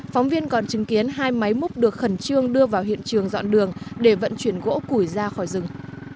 phóng viên còn chứng kiến hai máy múc được khẩn trương đưa vào hiện trường dọn đường để vận chuyển gỗ củi ra khỏi rừng